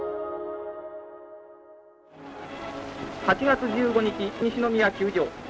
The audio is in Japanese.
８月１５日西宮球場。